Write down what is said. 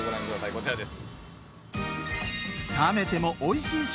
こちらです。